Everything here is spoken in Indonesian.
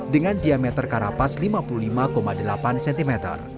dengan diameter karapas lima puluh lima delapan cm